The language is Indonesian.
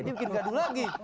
dia bikin gaduh lagi